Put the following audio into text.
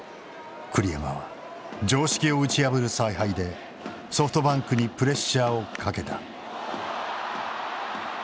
栗山は常識を打ち破る采配でソフトバンクにプレッシャーをかけた。